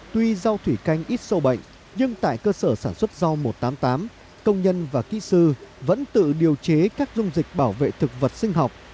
tuy rau thủy canh ít sâu bệnh nhưng tại cơ sở sản xuất rau một trăm tám mươi tám công nhân và kỹ sư vẫn tự điều chế các dung dịch bảo vệ thực vật sinh học